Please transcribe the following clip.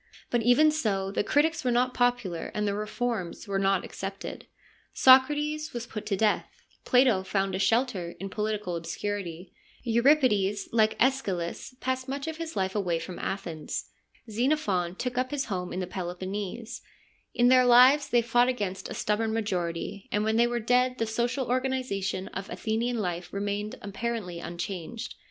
But even so the critics were not popular and their reforms were not accepted : Socrates was put to death ; Plato found a shelter in political obscurity ; Euripides, like ZEschylus, passed much of his life away from Athens ; Xenophon took up his home in the Peloponnese : in their lives they fought against a stubborn majority, and when they were dead the social organisation of Athenian life remained apparently unchanged.